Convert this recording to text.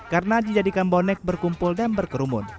karena dijadikan bonek berkumpul dan berkerumun